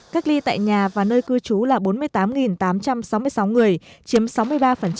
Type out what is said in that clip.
cách ly tại nhà và nơi cư trú là bốn mươi tám tám trăm sáu mươi sáu người chiếm sáu mươi ba